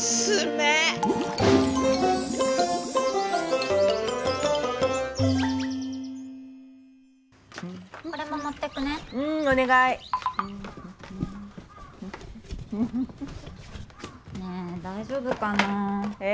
ねえ大丈夫かな？え？